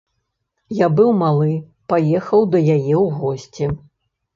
Я быў малы, паехаў да яе ў госці.